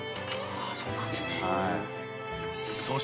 あっそうなんですね。